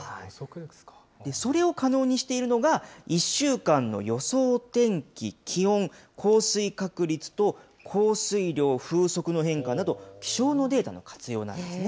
それを可能にしているのが、１週間の予想天気、気温、降水確率と降水量、風速の変化など、気象のデータの活用なんですね。